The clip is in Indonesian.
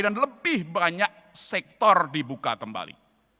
dan lebih banyak sektor dibuka kembali